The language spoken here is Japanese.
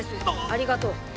ありがとう。